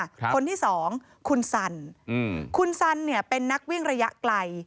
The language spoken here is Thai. คนที่สองคุณสันอืมคุณสันเนี่ยเป็นนักวิ่งระยะไกล